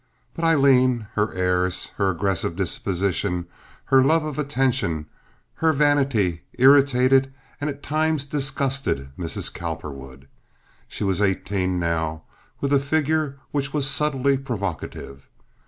But Aileen, her airs, her aggressive disposition, her love of attention, her vanity, irritated and at times disgusted Mrs. Cowperwood. She was eighteen now, with a figure which was subtly provocative.